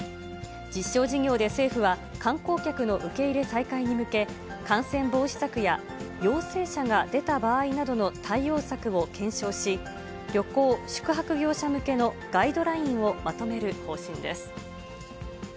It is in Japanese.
実証事業で政府は、観光客の受け入れ再開に向け、感染防止策や陽性者が出た場合などの対応策を検証し、旅行・宿泊業者向けのガイドラインをまとめる方針です。